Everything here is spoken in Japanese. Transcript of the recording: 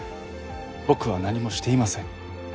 僕は何もしていません。